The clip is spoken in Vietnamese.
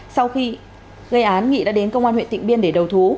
sau khi gây án nghị đã đến công an huyện tịnh biên để đầu thú